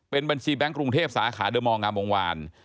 เป็นบัญชีแบงค์กรุงเทพสาขาเดอร์มอลงามวงวาน